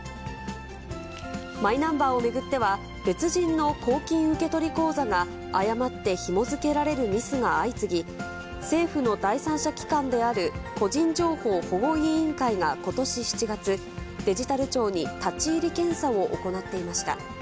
マイナンバーを巡っては、別人の公金受取口座が誤ってひも付けられるミスが相次ぎ、政府の第三者機関である、個人情報保護委員会がことし７月、デジタル庁に立ち入り検査を行っていました。